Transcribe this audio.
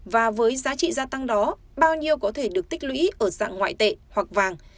và với giá trị gia tăng đó bao nhiêu có thể được tích lũy ở dạng ngoại tệ hoặc vàng